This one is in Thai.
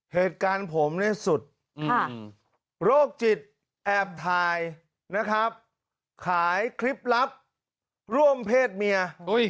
เหตุการณ์ผมเนี่ยสุดโรคจิตแอบถ่ายนะครับขายคลิปลับร่วมเพศเมีย